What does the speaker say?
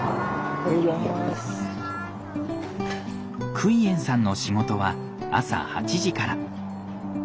クイエンさんの仕事は朝８時から。